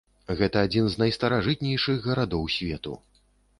Гэта адзін з найстаражытнейшых гарадоў свету.